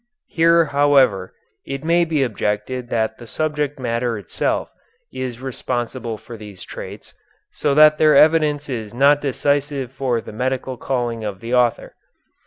Here, however, it may be objected that the subject matter itself is responsible for these traits, so that their evidence is not decisive for the medical calling of the author.